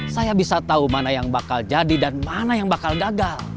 saya bisa tahu mana yang bakal jadi dan mana yang bakal gagal